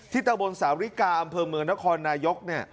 ตะบนสาวริกาอำเภอเมืองนครนายก